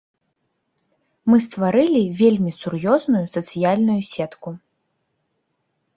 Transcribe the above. Мы стварылі вельмі сур'ёзную сацыяльную сетку.